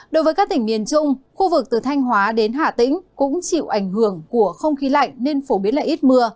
đối với các tỉnh miền trung khu vực từ thanh hóa đến hà tĩnh cũng chịu ảnh hưởng của không khí lạnh nên phổ biến là ít mưa